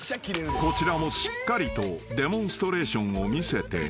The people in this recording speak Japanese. ［こちらもしっかりとデモンストレーションを見せて］